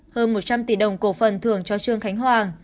hơn một trăm linh tỷ đồng cổ phần thưởng cho trương khánh hoàng